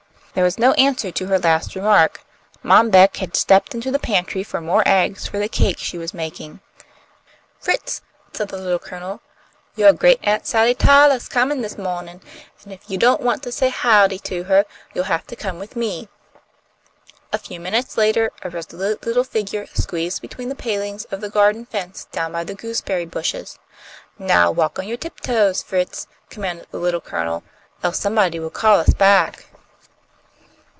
There was no answer to her last remark. Mom Beck had stepped into the pantry for more eggs for the cake she was making. "Fritz," said the Little Colonel, "yo' great aunt Sally Tylah's comin' this mawnin', an' if you don't want to say 'howdy' to her you'll have to come with me." A few minutes later a resolute little figure squeezed between the palings of the garden fence down by the gooseberry bushes. "Now walk on your tiptoes, Fritz!" commanded the Little Colonel, "else somebody will call us back."